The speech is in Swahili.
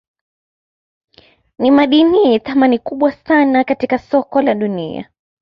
Nimadini yenye thamani kubwa sana katika soko la dunia